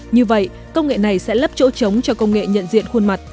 như vậy công nghệ này sẽ lấp chỗ trống cho công nghệ nhận diện khuôn mặt